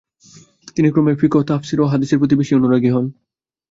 তিনি ক্রমে ফিকহ, তাফসীর ও হাদিসের প্রতি বেশি অনুরাগী হন।